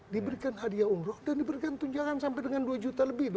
diberikan hadiah umroh dan diberikan tunjangan sampai dengan dua juta lebih